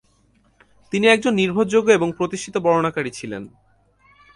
তিনি একজন নির্ভরযোগ্য এবং প্রতিষ্ঠিত বর্ণনাকারী ছিলেন।